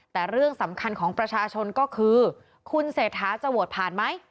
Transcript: แต่เรื่องสำคัญของประชาชนก็คือคุณเศรษฐาจะโหวตผ่านไหม